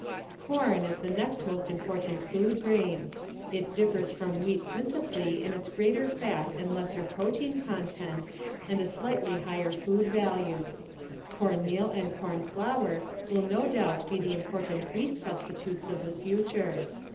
Corn is the next most important food grain. It differs from wheat principally in its greater fat and lesser protein content and a slightly higher food value. Cornmeal and corn flour will no doubt be the im portant wheat substitutes of the future.